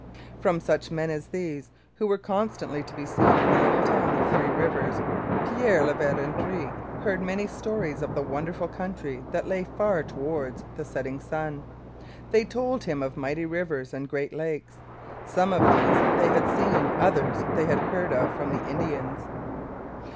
From such men as these, who were constantly to be seen in the little town of Three Rivers, Pierre de La Vérendrye heard many stories of the wonderful country that lay far towards the setting sun. They told him of mighty rivers and great lakes. Some of these they had seen; others they had heard of from the Indians.